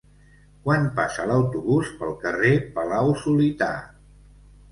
Quan passa l'autobús pel carrer Palau-solità?